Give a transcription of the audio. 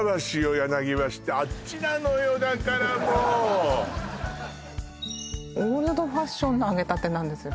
柳橋ってあっちなのよだからもうオールドファッションの揚げたてなんですよ